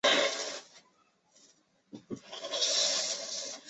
哈索小说中土大陆的虚构角色。